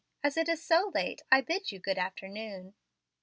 As it is so late I bid you good afternoon."